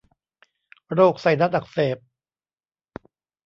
โรคไซนัสอักเสบ